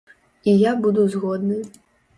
І я буду згодны.